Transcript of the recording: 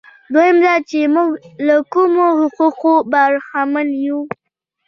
دویم دا چې موږ له کومو حقوقو برخمن یو.